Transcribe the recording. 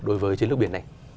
đối với chiến lược biển này